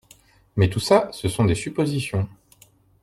Mais tout ça, ce sont des suppositions